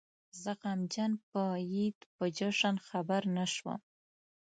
زه غمجن په عيد په جشن خبر نه شوم